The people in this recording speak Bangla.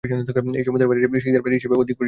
এই জমিদার বাড়িটি শিকদার বাড়ি হিসেবে অধিক পরিচিত।